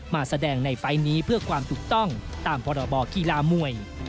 มาแสดงในไฟล์นี้เพื่อความถูกต้องตามพรบกีฬามวย